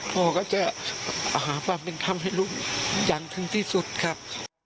พ่อก็จะหาความเป็นธรรมให้ลูกอย่างถึงที่สุดครับ